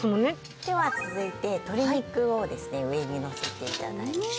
では続いて鶏肉をですね上にのせて頂いて。